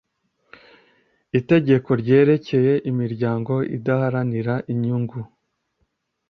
itegeko ryerekeye imiryango idaharanira inyungu